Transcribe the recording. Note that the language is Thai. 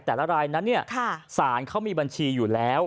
แต่ละรายนั้นศาลเขามีบัญชีอยู่แล้ว